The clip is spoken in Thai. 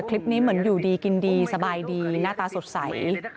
เหมือนอยู่ดีกินดีสบายดีหน้าตาสดใส